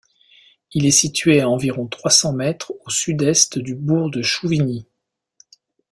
Il est situé à environ trois cents mètres au sud-est du bourg de Chouvigny.